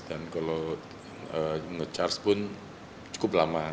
dan kalau nge charge pun cukup lama